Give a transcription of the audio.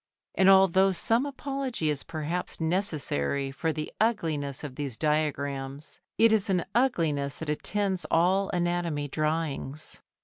And although some apology is perhaps necessary for the ugliness of these diagrams, it is an ugliness that attends all anatomy drawings.